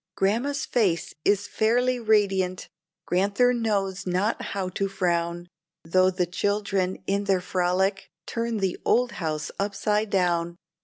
Grandma's face is fairly radiant; Grand'ther knows not how to frown, though the children, in their frolic, turn the old house upside down.